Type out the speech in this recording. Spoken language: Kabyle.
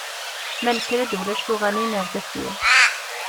Ma nekker-d ulac tuɣalin ar deffir.